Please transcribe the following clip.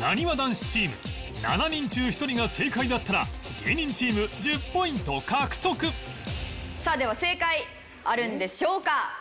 なにわ男子チーム７人中１人が正解だったら芸人チーム１０ポイント獲得さあでは正解あるんでしょうか？